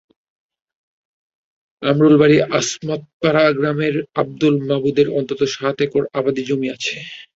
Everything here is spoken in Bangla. আমরুলবাড়ি আসমতপাড়া গ্রামের আবদুল মাবুদের অন্তত সাত একর আবাদি জমি আছে।